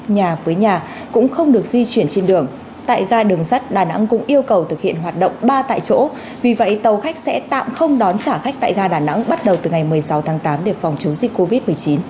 nhà với nhà cũng không được di chuyển trên đường tại ga đường sắt đà nẵng cũng yêu cầu thực hiện hoạt động ba tại chỗ vì vậy tàu khách sẽ tạm không đón trả khách tại ga đà nẵng bắt đầu từ ngày một mươi sáu tháng tám để phòng chống dịch covid một mươi chín